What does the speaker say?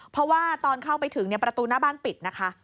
เพราะว่าตอนเข้าไปถึงประตูหน้าบ้านปิดนะคะ